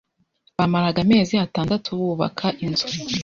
Bamaraga amezi atandatu bubaka inzu.